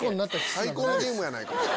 最高のゲームやないか。